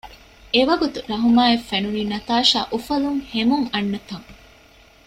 އެވަގުތު ރަހުމާއަށް ފެނުނީ ނަތާޝާ އުފަލުން ހެމުން އަންނަތަން